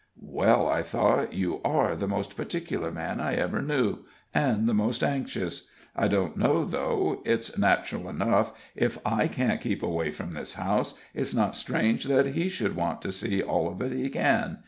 "Well," I thought, "you are the most particular man I ever knew and the most anxious! I don't know, though it's natural enough; if I can't keep away from this house, it's not strange that he should want to see all of it he can.